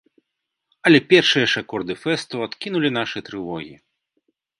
Але першыя ж акорды фэсту адкінулі нашы трывогі.